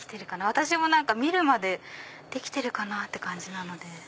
私も見るまでできてるかな？って感じなので。